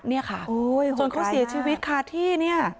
จนเขาเสียชีวิตคาดที่